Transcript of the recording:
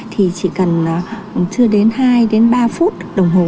thì chỉ cần chưa đến hai đến ba phút đồng hồ